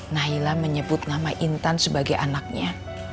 naila menyebut nama intan sebagai anaknya